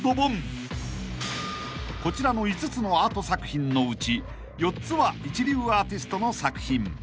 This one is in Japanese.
［こちらの５つのアート作品のうち４つは一流アーティストの作品］